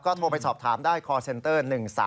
โทรไปสอบถามได้คอร์เซ็นเตอร์๑๓